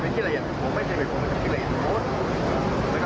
ผมบอกผมไม่ได้ครั้งนี้ไม่ได้มันก็มีการแจสุมครบ